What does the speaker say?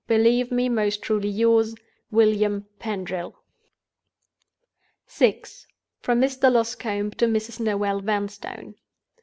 "Believe me most truly yours, "WILLIAM PENDRIL." VI. From Mr. Loscombe to Mrs. Noel Vanstone.